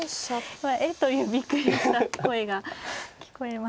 今「えっ！」というびっくりした声が聞こえましたが。